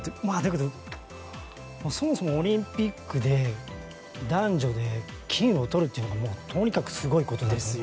そもそもオリンピックで男女で金をとるというのはとにかくすごいことで。